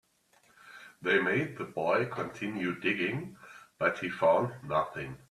They made the boy continue digging, but he found nothing.